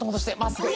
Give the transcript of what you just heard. すごい！